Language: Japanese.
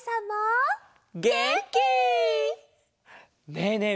ねえねえ